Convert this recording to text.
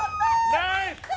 ナイス！